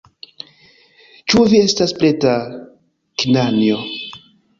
Ĉu vi estas preta, knanjo?